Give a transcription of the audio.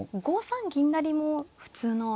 ５三銀成も普通の。